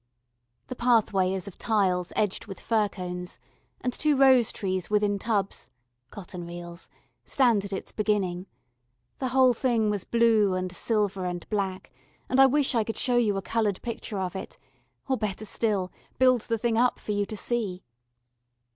The pathway is of tiles edged with fir cones, and two rose trees within tubs (cotton reels) stand at its beginning; the whole thing was blue and silver and black, and I wish I could show you a coloured picture of it, or, better still, build the thing up for you to see.